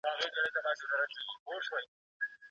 چي هوس کوې چي خاندې انسانان درته ګډېږي